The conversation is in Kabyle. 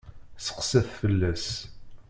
Seqsi-t fell-as.